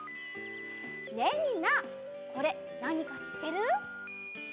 ねえみんなこれなにかしってる？